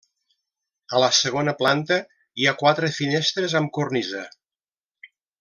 A la segona planta hi ha quatre finestres amb cornisa.